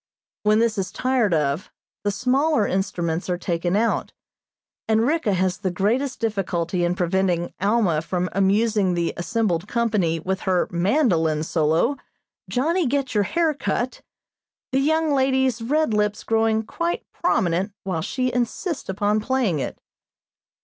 When this is tired of, the smaller instruments are taken out, and Ricka has the greatest difficulty in preventing Alma from amusing the assembled company with her mandolin solo, "Johnny Get Your Hair Cut," the young lady's red lips growing quite prominent while she insists upon playing it.